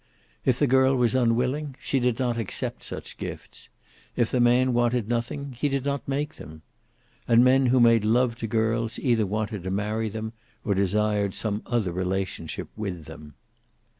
If the girl was unwilling, she did not accept such gifts. If the man wanted nothing, he did not make them. And men who made love to girls either wanted to marry them or desired some other relationship with them.